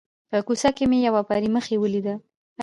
په کوڅه کې مې یوې پري مخې ولیده.